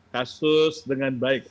kasus dengan baik